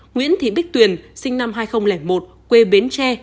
nguyễn thị bích tuyền sinh năm hai nghìn một quê bến tre